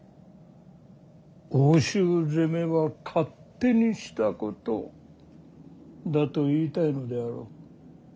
奥州攻めは勝手にしたことだと言いたいのであろう。